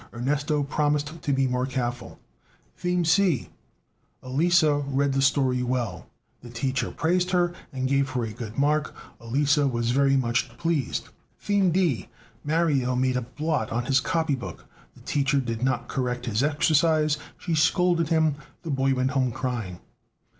Ernesto promised to be more careful.) Theme C. Elisa read the story well. (The teacher praised her and gave her a good mark. Elisa was very much pleased.) Theme D. Mario made a blot on his copy book. (The teacher did not correct his exercise; she scolded him. The boy went home crying.)